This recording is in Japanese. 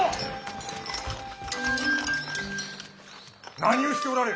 何をしておられる？